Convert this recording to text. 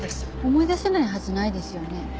思い出せないはずないですよね？